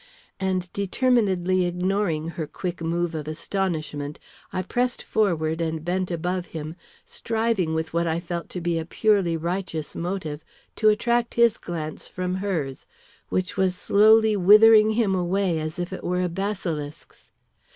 And determinedly ignoring her quick move of astonishment, I pressed forward and bent above him, striving with what I felt to be a purely righteous motive, to attract his glance from hers, which was slowly withering him away as if it were a basilisk's.